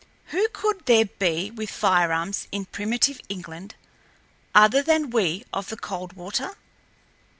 Who could there be with firearms in primitive England other than we of the Coldwater?